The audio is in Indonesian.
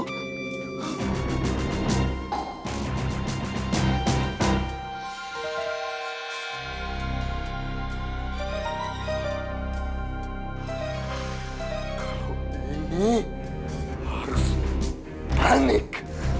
kalau ini harus panik